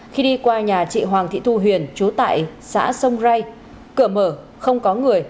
khi đi qua nhà chị hoàng thị thu huyền trú tại xã sông rây cửa mở không có người